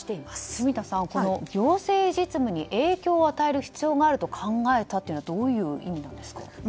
住田さん、行政実務に影響を与える必要があると考えたというのはどういう意味ですか？